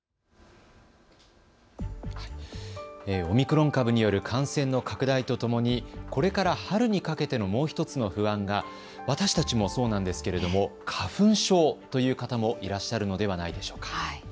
オミクロン株による感染の拡大とともにこれから春にかけてのもう１つの不安が私たちもそうなんですけれども、花粉症という方もいらっしゃるのではないでしょうか。